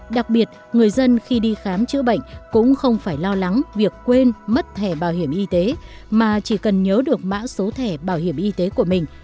đặc biệt người dân khi đi khám chữa bệnh cũng không phải lo lắng việc quên mất thẻ bảo hiểm y tế mà chỉ cần nhớ được mã số thẻ bảo hiểm y tế của mình